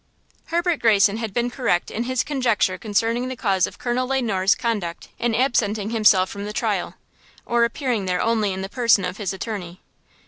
HERBERT GREYSON had been correct in his conjecture concerning the cause of Colonel Le Noir's conduct in absenting himself from the trial, or appearing there only in the person of his attorney.